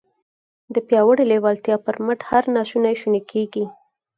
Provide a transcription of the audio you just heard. د پياوړې لېوالتیا پر مټ هر ناشونی شونی کېږي.